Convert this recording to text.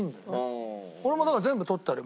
俺もだから全部取ってあるよ